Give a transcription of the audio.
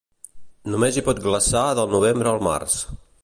Només hi pot glaçar del novembre al març.